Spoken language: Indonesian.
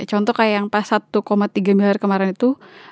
contoh kayak yang pas satu tiga miliar kemarin itu